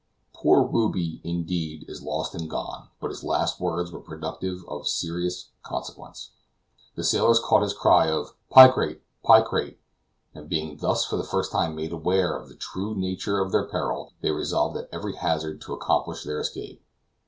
Poor Ruby, indeed, is lost and gone, but his last words were productive of serious consequences. The sailors caught his cry of "Picrate, picrate!" and being thus for the first time made aware of the true nature of their peril, they resolved at every hazard to accomplish their escape.